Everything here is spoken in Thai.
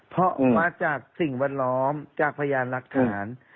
เพราะมาจากสิ่งวัดล้อมจากพยานรักษ์การ